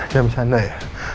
ya misalnya ya